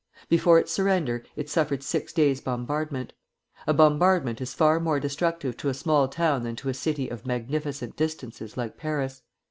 Before its surrender it suffered six days' bombardment. A bombardment is far more destructive to a small town than to a city of "magnificent distances" like Paris.